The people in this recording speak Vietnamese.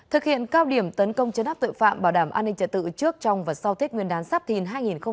thực hiện cao điểm tấn công chấn áp tội phạm bảo đảm an ninh trật tự trước trong và sau tết nguyên đán sắp thìn hai nghìn hai mươi bốn